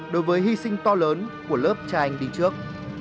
đối với hy sinh to lớn của lớp cha anh đi trước